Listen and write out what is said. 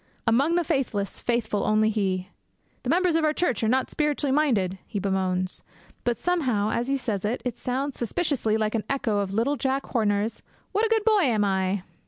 'Among the faithless faithful only he!' 'The members of our Church are not spiritually minded!' he bemoans; but somehow, said as he says it, it sounds suspiciously like an echo of little Jack Horner's 'What a good boy am I!'